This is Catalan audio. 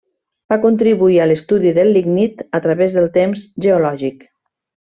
Va contribuir a l'estudi del lignit a través del temps geològic.